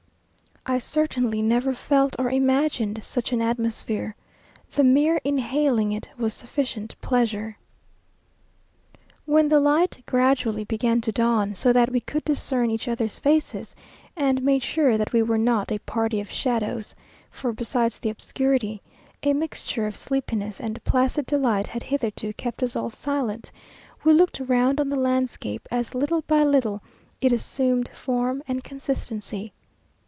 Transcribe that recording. I certainly never felt or imagined such an atmosphere. The mere inhaling it was sufficient pleasure. When the light gradually began to dawn, so that we could discern each other's faces, and made sure that we were not a party of shadows, for besides the obscurity, a mixture of sleepiness and placid delight had hitherto kept us all silent, we looked round on the landscape, as little by little it assumed form and consistency.